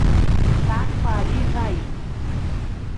Taquarivaí